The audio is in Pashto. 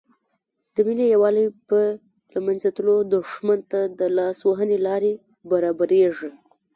د ملي یووالي په له منځه تللو دښمن ته د لاس وهنې لارې برابریږي.